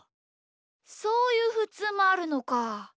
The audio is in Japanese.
そういうふつうもあるのか。